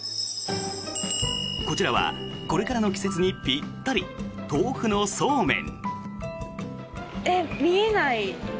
こちらはこれからの季節にぴったり豆腐のそうめん。